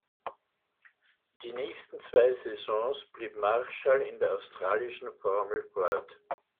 Die nächsten zwei Saisons blieb Marshall in der australischen Formel Ford.